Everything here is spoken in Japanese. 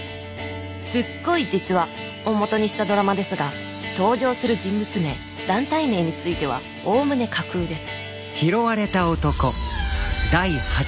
すっごい実話！をもとにしたドラマですが登場する人物名団体名についてはおおむね架空です